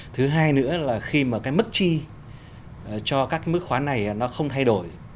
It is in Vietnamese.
thứ hai nữa là khi mà cái mức chi cho các mức khoán này nó không thay đổi